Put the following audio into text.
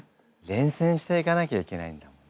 連戦していかなきゃいけないんだもん。